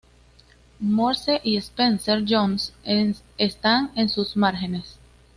Morse y Spencer Jones están en sus márgenes.